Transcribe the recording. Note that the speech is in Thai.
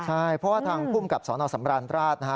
ใช่เพราะว่าทางภูมิกับสนสำรรรณราช